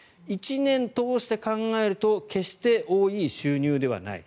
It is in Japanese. １年通して考えると決して多い収入ではない。